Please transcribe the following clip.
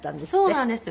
そうなんです。